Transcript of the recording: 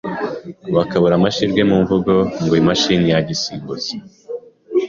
bakabura amahirwe mu mvugo ngo imashini yagusimbutse